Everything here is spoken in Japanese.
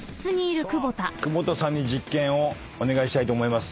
さあ久保田さんに実験をお願いしたいと思います。